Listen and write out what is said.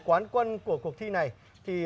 quán quân của cuộc thi này thì